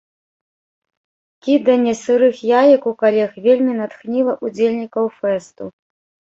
Кіданне сырых яек у калег вельмі натхніла ўдзельнікаў фэсту.